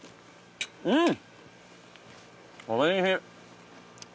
うん！